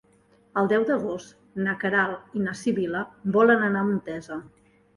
El deu d'agost na Queralt i na Sibil·la volen anar a Montesa.